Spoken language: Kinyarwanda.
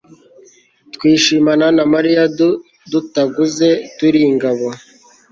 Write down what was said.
twishimana na mariya, dutaguze turi ingabo